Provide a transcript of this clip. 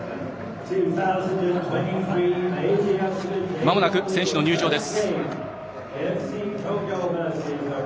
まもなく選手の入場です。